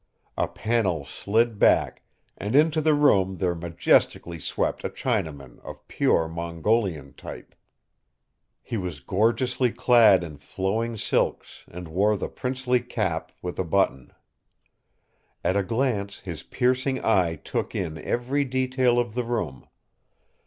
A panel slid back, and into the room there majestically swept a Chinaman of pure Mongolian type. He was gorgeously clad in flowing silks and wore the princely cap with a button. At a glance his piercing eye took in every detail of the room.